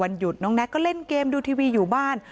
หยุดน้องแน็กก็เล่นเกมดูทีวีอยู่บ้าน